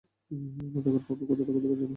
মাদকের প্রভাব কতটা ক্ষতিকর জানো?